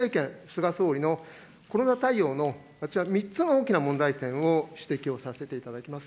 まず、菅政権、菅総理のコロナ対応の、私は３つの大きな問題点を指摘をさせていただきます。